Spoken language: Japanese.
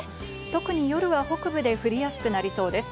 特に夜は北部で降りやすくなりそうです。